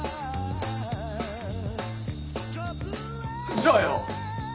じゃあよう！